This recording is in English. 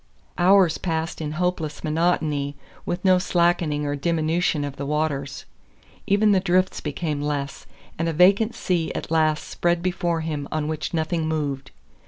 Hours passed in hopeless monotony, with no slackening or diminution of the waters. Even the drifts became less, and a vacant sea at last spread before him on which nothing moved.